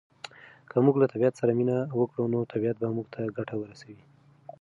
که موږ له طبعیت سره مینه وکړو نو طبعیت به موږ ته ګټه ورسوي.